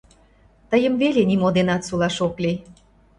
Тыйым веле нимо денат сулаш ок лий.